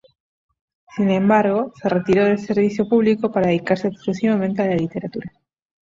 Sin embargo, se retiró del servicio público para dedicarse exclusivamente a la literatura.